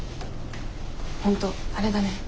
本当あれだね